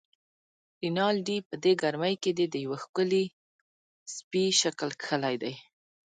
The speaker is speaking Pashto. رینالډي: په دې ګرمۍ کې دې د یوه ښکلي سپي شکل کښلی دی.